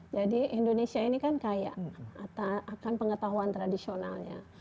jadi indonesia ini kan kaya akan pengetahuan tradisionalnya